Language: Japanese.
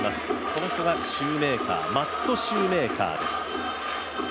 この人がシューメーカー、マット・シューメーカーです。